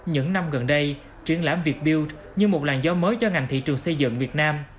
những năm gần đây triển lãm vietbild như một làn gió mới cho ngành thị trường xây dựng việt nam